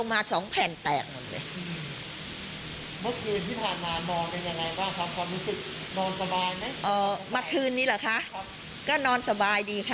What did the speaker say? ความรู้สึกนอนหรือเมื่อคืนนี้เหรอคะก็นอนสบายดีค่ะ